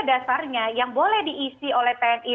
dasarnya yang boleh diisi oleh tni